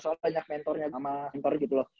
soal banyak mentornya sama mentor gitu loh